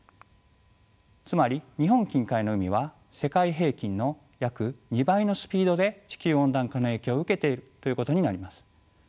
つまり日本近海の海は世界平均の約２倍のスピードで地球温暖化の影響を受けているということになります。